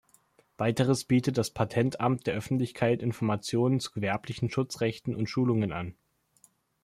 Weiteres bietet das Patentamt der Öffentlichkeit Informationen zu gewerblichen Schutzrechten und Schulungen an.